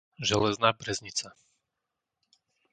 Železná Breznica